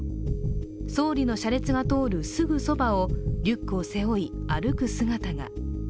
総理の車列が通るすぐそばをリュックを背負い、歩く姿が。